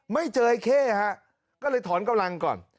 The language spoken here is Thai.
ไม่เจอไอ้เข้ฮะก็เลยถอนกำลังก่อน